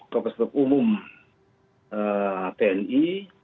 kepala staff umum tni